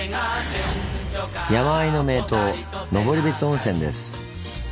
山あいの名湯登別温泉です。